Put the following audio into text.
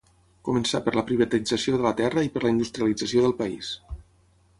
Començà per la privatització de la terra i per la industrialització del país.